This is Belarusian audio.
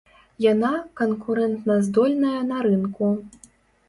Яна канкурэнтаздольная на рынку.